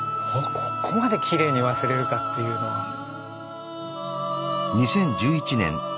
ここまできれいに忘れるかっていうのは。